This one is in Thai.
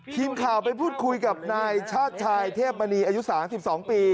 ทีมข่าวไปพูดคุยกับนายชาติชายเทพมณีอายุ๓๒ปี